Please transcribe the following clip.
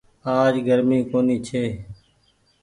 آج گرمي ڪونيٚ ڇي۔